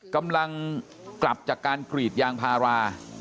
กำลังกลับจากการกรีดยางพารา